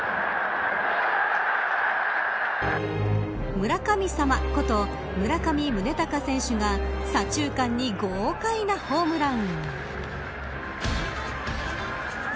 村神様こと村上宗隆選手が左中間に豪快なホームラン。